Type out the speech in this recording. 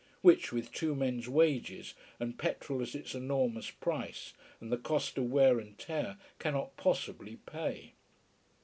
Which, with two men's wages, and petrol at its enormous price, and the cost of wear and tear, cannot possibly pay.